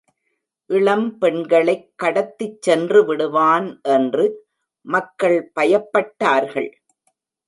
இளம் பெண்களைக் கடத்திச் சென்று விடுவான் என்று மக்கள் பயப்பட்டார்கள்.